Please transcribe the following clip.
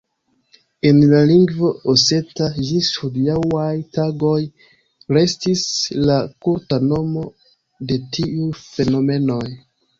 En la lingvo oseta ĝis hodiaŭaj tagoj restis la kulta nomo de tiuj fenomenoj.